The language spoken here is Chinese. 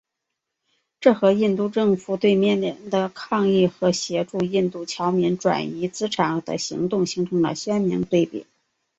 这和印度政府对缅甸的抗议和协助印度侨民转移资产的行动形成了鲜明对比。